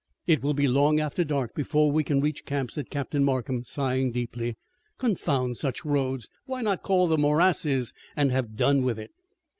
"It will be long after dark before we can reach camp," said Captain Markham, sighing deeply. "Confound such roads. Why not call them morasses and have done with it!"